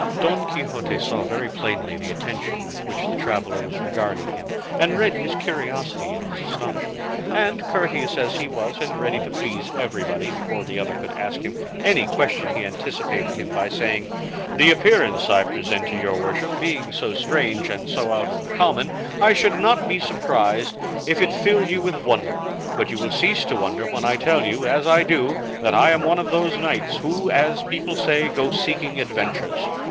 Don Quixote saw very plainly the attention with which the traveller was regarding him, and read his curiosity in his astonishment; and courteous as he was and ready to please everybody, before the other could ask him any question he anticipated him by saying, "The appearance I present to your worship being so strange and so out of the common, I should not be surprised if it filled you with wonder; but you will cease to wonder when I tell you, as I do, that I am one of those knights who, as people say, go seeking adventures.